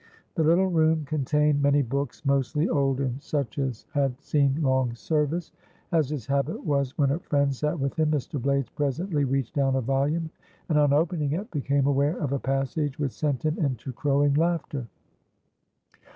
The little room contained many books, mostly old and such as had seen long service. As his habit was when a friend sat with him, Mr. Blaydes presently reached down a volume, and, on opening it, became aware of a passage which sent him into crowing laughter.